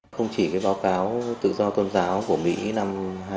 không chỉ cái báo cáo tự do tôn giáo của mỹ năm hai nghìn hai mươi một